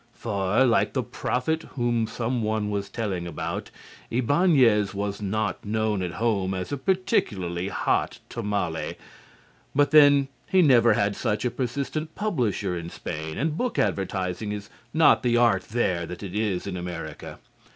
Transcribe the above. For, like the prophet whom some one was telling about, Ibáñez was not known at home as a particularly hot tamale. But, then, he never had such a persistent publisher in Spain, and book advertising is not the art there that it is in America.